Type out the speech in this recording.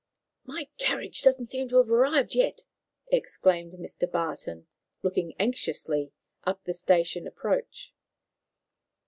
"My carriage doesn't seem to have arrived yet," exclaimed Mr. Barton, looking anxiously up the station approach.